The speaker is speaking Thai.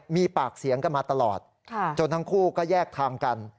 มีปากเสียงกันมาตลอดจนทั้งคู่ก็แยกทางกัน